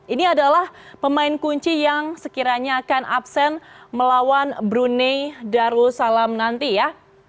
ini adalah pemain kunci yang sekiranya akan absen melawan brunei darussalam nanti ya